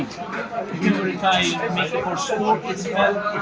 ya kalau anda berpikir anda penat